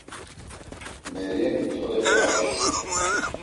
Meryemi tolepe apşu.